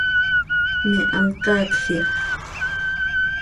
¿Me hant caacjya?